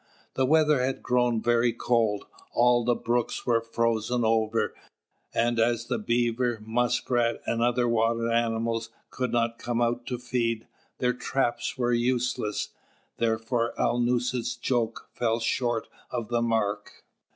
The weather had grown very cold; all the brooks were frozen over, and as the Beaver, Muskrat, and other water animals could not come out to feed, their traps were useless, therefore Alnūset's joke fell short of the mark.